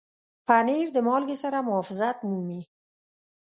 پنېر د مالګې سره محافظت مومي.